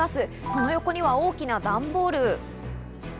その横には大きな段ボール。